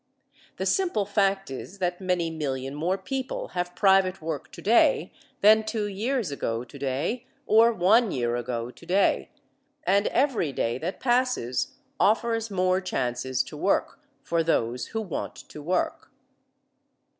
The simple fact is that many million more people have private work today than two years ago today or one year ago today, and every day that passes offers more chances to work for those who want to work.